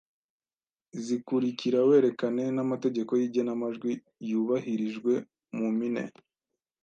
zikurikira werekane n’amategeko y’igenamajwi yubahirijwe mu mpine: